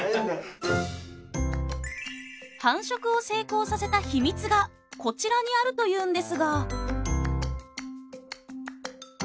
繁殖を成功させたヒミツがこちらにあるというんですが。